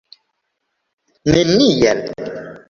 nenial